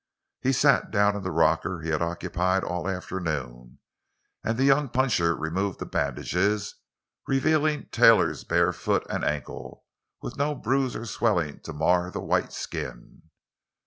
He sat down in the rocker he had occupied all afternoon, and the young puncher removed the bandages, revealing Taylor's bare foot and ankle, with no bruise or swelling to mar the white skin.